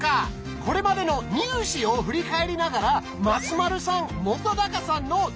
これまでの「ニュー試」を振り返りながら松丸さん本さんの頂上決戦！